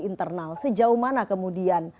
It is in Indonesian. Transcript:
internal sejauh mana kemudian